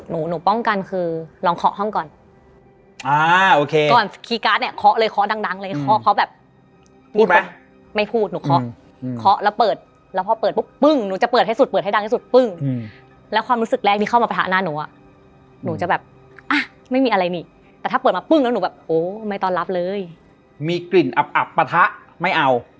มีกลิ่นอับปะทะไม่เอา